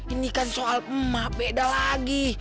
ini kan soal emak beda lagi